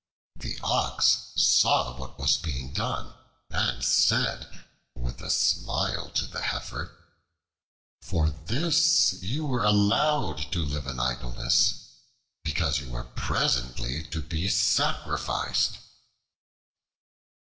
The Ox saw what was being done, and said with a smile to the Heifer: "For this you were allowed to live in idleness, because you were presently to be sacrificed."